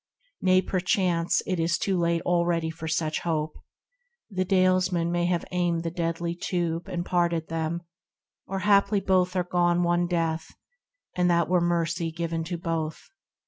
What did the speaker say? nay perchance It is too late already for such hope ; The Dalesmen may have aimed the deadly tube, And parted them ; or haply both are gone One death, and that were mercy given to both.